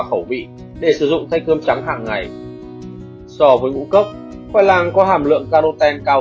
khẩu vị để sử dụng thanh cơm trắng hàng ngày so với ngũ cốc khoai lang có hàm lượng karoten cao